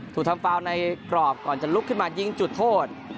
ถูกทำฟาวในกรอบก่อนจะลุกขึ้นมายิงจุดโทษ